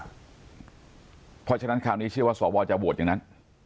เพราะฉะนั้นคราวนี้เชื่อว่าสวจะโหวตอย่างนั้น